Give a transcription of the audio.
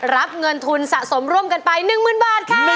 รับเงินทุนสะสมร่วมกันไป๑๐๐๐บาทค่ะ